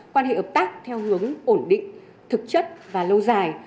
quan hệ ập tác theo hướng ổn định thực chất và lâu dài